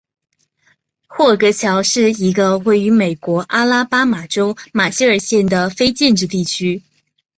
霍格乔是一个位于美国阿拉巴马州马歇尔县的非建制地区。